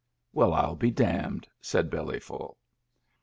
" Well, ril be damned," said Bellyful.